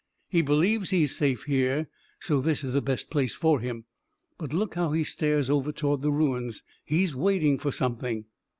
He believes he's safe here, so this is the best place for him. But look how he stares over toward the ruins. He's waiting for something."